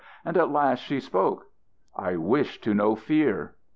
And at last she spoke. "I wish to know fear."